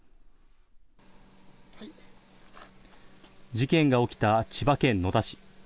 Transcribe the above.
事件が起きた千葉県野田市。